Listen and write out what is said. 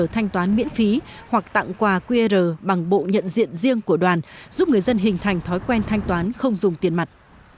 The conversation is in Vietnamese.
thành đoàn cũng tặng quà qr bằng bộ nhận diện riêng của đoàn giúp người dân hình thành thói quen thanh toán không dùng tiền mặt